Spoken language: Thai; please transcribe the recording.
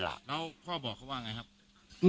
แล้วพ่อบอกเขาว่าไงครับ